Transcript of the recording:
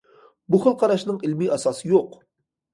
بۇ خىل قاراشنىڭ ئىلمىي ئاساسىي يوق.